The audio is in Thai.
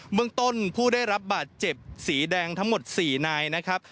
เมืองต้นผู้ได้รับบาดเจ็บสีแดงทั้งหมด๔นายนะครับ